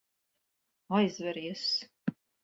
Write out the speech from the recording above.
Aizveries.